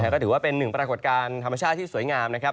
ก็ถือว่าเป็นหนึ่งปรากฏการณ์ธรรมชาติที่สวยงามนะครับ